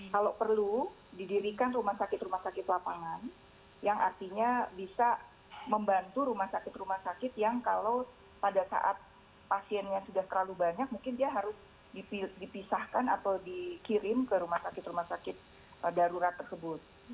kalau perlu didirikan rumah sakit rumah sakit lapangan yang artinya bisa membantu rumah sakit rumah sakit yang kalau pada saat pasiennya sudah terlalu banyak mungkin dia harus dipisahkan atau dikirim ke rumah sakit rumah sakit darurat tersebut